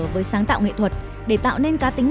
với sáng tạo nghệ thuật để tạo nên cá tính